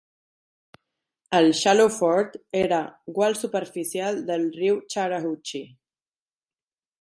El Shallow Ford era gual superficial del riu Chattahoochee.